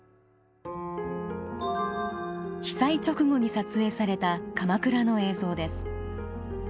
被災直後に撮影された鎌倉の映像です。